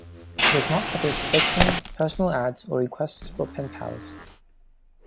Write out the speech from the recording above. It does not publish fiction, personal ads, or requests for pen pals.